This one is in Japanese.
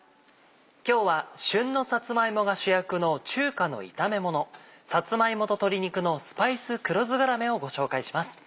今日は旬のさつま芋が主役の中華の炒めもの「さつま芋と鶏肉のスパイス黒酢がらめ」をご紹介します。